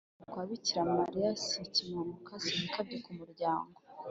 ukwemera kwa bikira mariya si ikimanuka, si ibikabyo k’umuryango